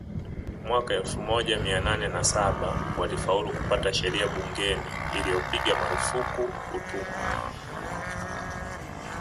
Mwaka elfu moja mia nane na saba walifaulu kupata sheria bungeni iliyopiga marufuku utumwa